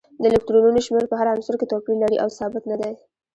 د الکترونونو شمیر په هر عنصر کې توپیر لري او ثابت نه دی